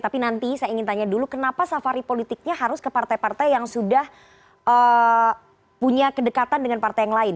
tapi nanti saya ingin tanya dulu kenapa safari politiknya harus ke partai partai yang sudah punya kedekatan dengan partai yang lain